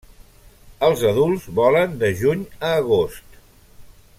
Els adults volen de juny a agost.